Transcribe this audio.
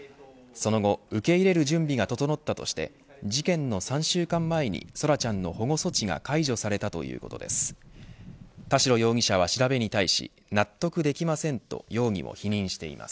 その後、受け入れる準備が整ったとして事件の３週間前に空来ちゃんの保護措置が解除されたということです。